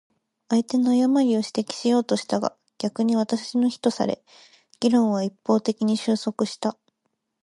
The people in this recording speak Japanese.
相手の誤りを指摘しようとしたが、逆に私の非とされ、議論は一方的に収束した。